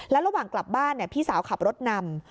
แล้วระหว่างกลับบ้านพี่สาวขับรถนำ